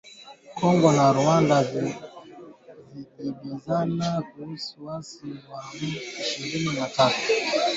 Kongo na Rwanda zajibizana kuhusu waasi wa M ishirini na tatu